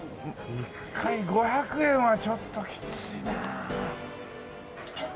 １回５００円はちょっときついな。